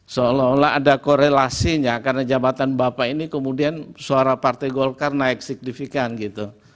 seolah olah ada korelasinya karena jabatan bapak ini kemudian suara partai golkar naik signifikan gitu